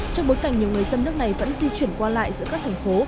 trong bối cảnh nhiều người dân nước này vẫn di chuyển qua lại giữa các thành phố